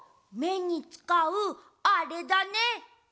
めにつかうあれだね！